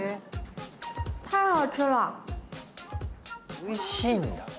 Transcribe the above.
おいしいんだ。